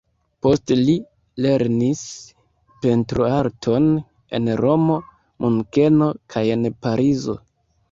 Poste li lernis pentroarton en Romo, Munkeno kaj en Parizo.